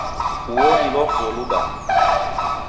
Ulo ni lwafuo lubaa.